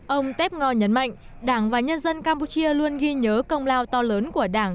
ông tép ngò nhấn mạnh đảng và nhân dân campuchia luôn ghi nhớ công lao to lớn của đảng